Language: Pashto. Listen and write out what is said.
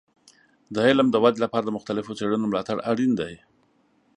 د علم د ودې لپاره د مختلفو څیړنو ملاتړ اړین دی.